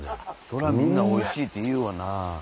そりゃみんなおいしいって言うわな。